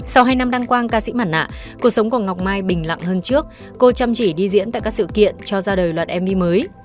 sau hai năm đăng quang ca sĩ mặt nạ cuộc sống của ngọc mai bình lặng hơn trước cô chăm chỉ đi diễn tại các sự kiện cho ra đời loạt my mới